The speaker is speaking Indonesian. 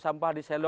sampah di sampah